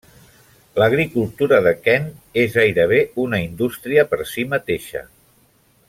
L'agricultura de Kent és gairebé una indústria per si mateixa.